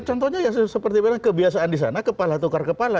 contohnya ya seperti kebiasaan di sana kepala tukar kepala